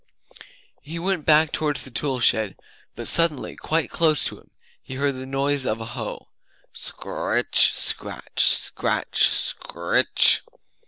He went back towards the tool shed, but suddenly, quite close to him, he heard the noise of a hoe scr r ritch, scratch, scratch, scritch.